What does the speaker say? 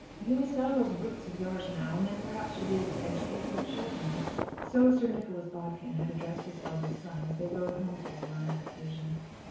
"You may sell those brutes of yours now, and then perhaps you'll be able to educate your children." So Sir Nicholas Bodkin had addressed his eldest son, as they rode home together on that occasion.